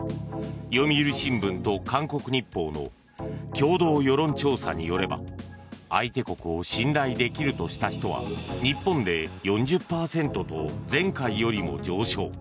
読売新聞と韓国日報の共同世論調査によれば相手国を信頼できるとした人は日本で４０％と前回よりも上昇。